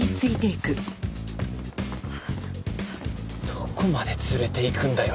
どこまで連れていくんだよ